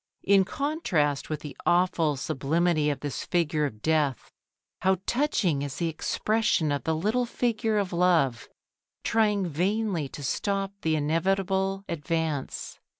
In contrast with the awful sublimity of this figure of Death, how touching is the expression of the little figure of Love, trying vainly to stop the inevitable advance.